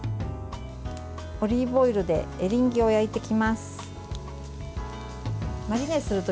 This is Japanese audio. オリーブオイルでエリンギを焼いていきます。